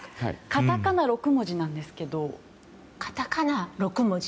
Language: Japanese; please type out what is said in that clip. カタカナ６文字なんですけど。